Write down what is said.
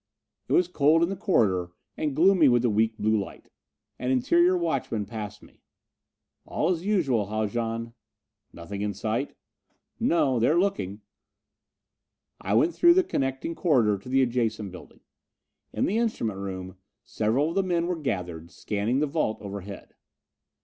It was cold in the corridor, and gloomy with the weak blue light. An interior watchman passed me. "All as usual, Haljan." "Nothing in sight?" "No. They're looking." I went through the connecting corridor to the adjacent building. In the instrument room several of the men were gathered, scanning the vault overhead.